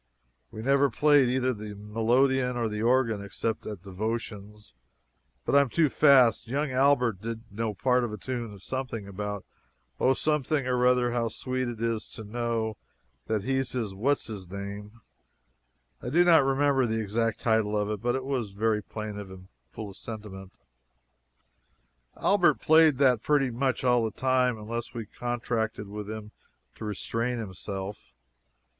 We never played either the melodeon or the organ except at devotions but I am too fast: young Albert did know part of a tune something about "O Something Or Other How Sweet It Is to Know That He's His What's his Name" (I do not remember the exact title of it, but it was very plaintive and full of sentiment); Albert played that pretty much all the time until we contracted with him to restrain himself.